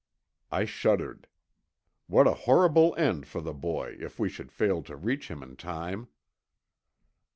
I shuddered. What a horrible end for the boy if we should fail to reach him in time!